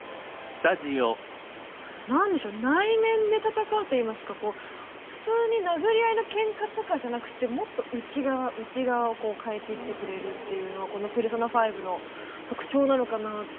何でしょう内面で戦うといいますかこう普通に殴り合いのけんかとかじゃなくてもっと内側内側をこう変えていってくれるっていうのはこの「ペルソナ５」の特徴なのかなぁっていう。